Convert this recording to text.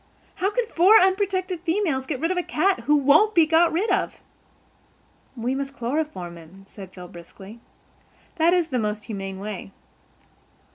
How can four unprotected females get rid of a cat who won't be got rid of?" "We must chloroform him," said Phil briskly. "That is the most humane way."